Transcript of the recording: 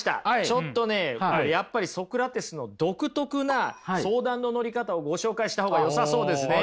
ちょっとねやっぱりソクラテスの独特な相談の乗り方をご紹介した方がよさそうですね。